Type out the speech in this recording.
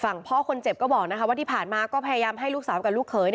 พ่อคนเจ็บก็บอกว่าที่ผ่านมาก็พยายามให้ลูกสาวกับลูกเขย